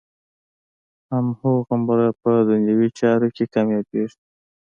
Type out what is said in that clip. هماغومره په دنیوي چارو کې کامیابېږي.